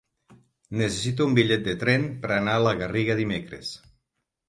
Necessito un bitllet de tren per anar a la Garriga dimecres.